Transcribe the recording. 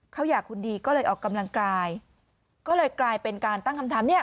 เขาอยากคุณดีก็เลยออกกำลังกายก็เลยกลายเป็นการตั้งคำถามเนี่ย